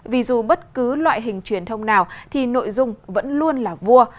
vì dù bất cứ loại hình truyền thông nào thì nội dung vẫn luôn là vua